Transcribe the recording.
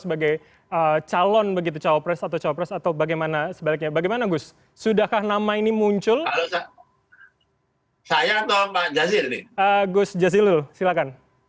sekarang seorang pelajar dari melayu indonesia